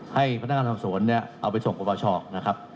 ให้พนักงานสอบสวนเนี่ยเอาไปส่งประประชานะครับ